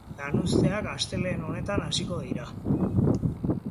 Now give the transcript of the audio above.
Lanuzteak astelehen honetan hasiko dira.